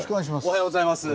おはようございます。